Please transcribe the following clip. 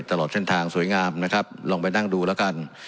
ตลอดเส้นทางสวยงามนะครับลองไปนั่งดูแล้วกัน